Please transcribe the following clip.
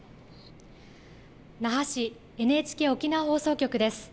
那覇市、ＮＨＫ沖縄放送局です。